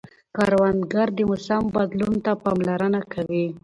کروندګر د موسم بدلون ته پاملرنه کوي